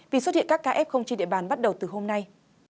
vì xuất hiện các ca f trên địa bàn bắt đầu từ hôm nay